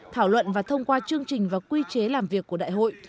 thảo luận và thông qua chương trình và quy chế làm việc của đại hội